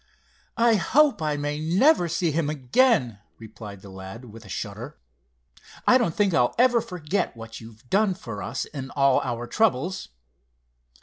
"I hope I may never see him again," replied the lad with a shudder. "I don't think I'll ever forget what you've done for us in all our troubles."